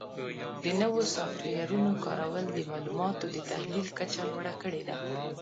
د نوو سافټویرونو کارول د معلوماتو د تحلیل کچه لوړه کړې ده.